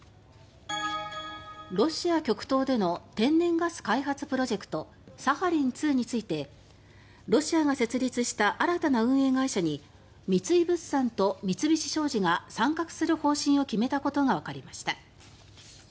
ロシア極東での天然ガス開発プロジェクトサハリン２についてロシアが設立した新たな運営会社に三井物産と三菱商事が参画する方針を決めたことがわかりました。